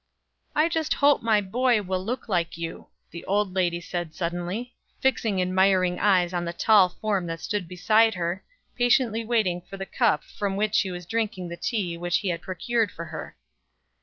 "I just hope my boy will look like you," the old lady said suddenly, fixing admiring eyes on the tall form that stood beside her, patiently waiting for the cup from which she was drinking the tea which he had procured for her.